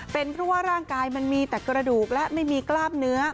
เป็นเพราะว่าร่างกายมันมีแต่กระดูกและไม่มีกล้ามเนื้อ